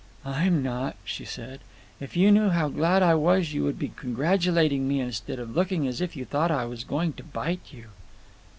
"I'm not," she said. "If you knew how glad I was you would be congratulating me instead of looking as if you thought I was going to bite you."